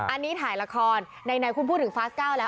อันนี้ถ่ายละครในในคุณพูดถึงฟาสท์๙นะ